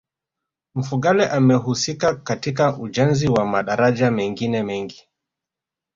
Mfugale amehusika katika ujenzi wa madaraja mengine mengi